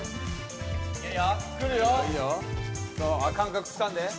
感覚つかんで。